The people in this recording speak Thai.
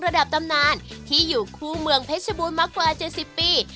ระดับตำนานที่อยู่คู่เมืองเพชรบูรณ์มากว่า๗๐ปี